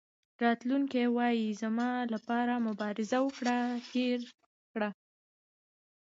راتلونکی وایي زما لپاره مبارزه وکړه هېر کړه.